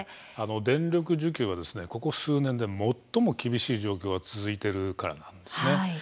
電力需給はここ数年で最も厳しい状況が続いているからなんです。